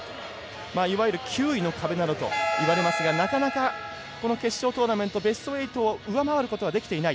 いわゆる９位の壁などと言われますがなかなかこの決勝トーナメントベスト８を上回ることができていない。